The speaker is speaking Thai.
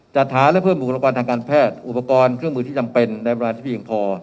จัดหาและเพิ่มบุคลากรทางการแพทย์อุปกรณ์เครื่องมือที่จำเป็นในเวลาที่เพียงพอ